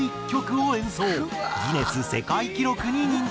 ギネス世界記録に認定。